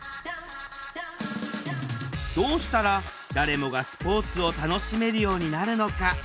どうしたら誰もがスポーツを楽しめるようになるのか？